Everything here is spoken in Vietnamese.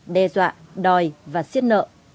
đe dọa đòi và xiết nợ